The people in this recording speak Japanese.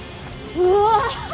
うわ！